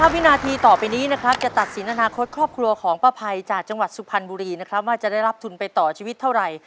วินาทีต่อไปนี้นะครับจะตัดสินอนาคตครอบครัวของป้าภัยจากจังหวัดสุพรรณบุรีนะครับว่าจะได้รับทุนไปต่อชีวิตเท่าไหร่